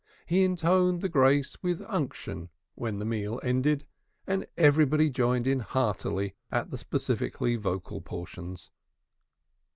He intoned the grace with unction when the meal ended, and everybody joined in heartily at the specifically vocal portions.